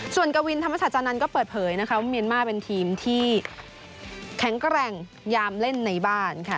ส่วนกวินธรรมศาจานันทร์ก็เปิดเผยนะคะว่าเมียนมาร์เป็นทีมที่แข็งแกร่งยามเล่นในบ้านค่ะ